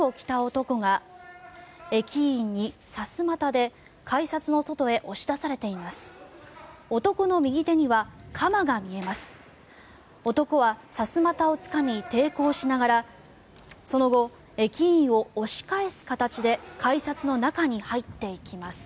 男はさすまたをつかみ抵抗しながらその後、駅員を押し返す形で改札の中に入っていきます。